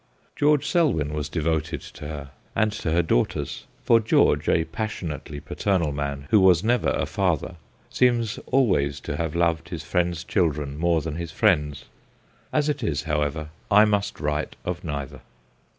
George Selwyn was devoted to her and to her daughters ; for George, a passionately paternal man who was never a father, seems always to have loved his friends' children more than his friends. As it is, however, I must write of neither.